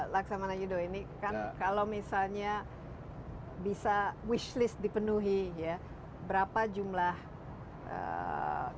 laksamana yudho ini kan kalau misalnya bisa wishlist dipenuhi ya berapa jumlah kapal dan segala macamnya ya